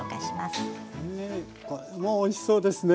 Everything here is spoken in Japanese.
もうおいしそうですね。